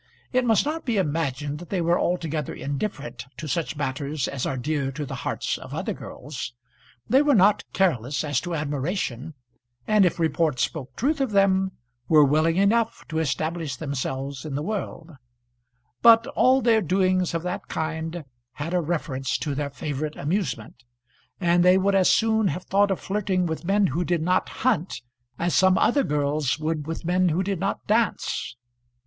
It must not be imagined that they were altogether indifferent to such matters as are dear to the hearts of other girls. They were not careless as to admiration, and if report spoke truth of them were willing enough to establish themselves in the world; but all their doings of that kind had a reference to their favourite amusement, and they would as soon have thought of flirting with men who did not hunt as some other girls would with men who did not dance.